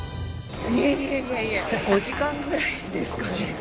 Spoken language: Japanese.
いやいやいやいや５時間ぐらいですかね